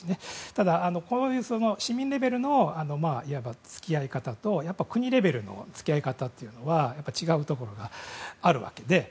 ただ、市民レベルの付き合い方と国レベルの付き合い方は違うところがあるわけで。